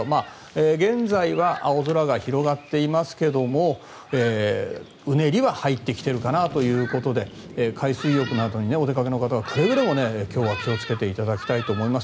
現在は青空が広がっていますけどもうねりは入ってきているかなということで海水浴のあとにお出かけの方はくれぐれも今日は気をつけていただきたいと思います。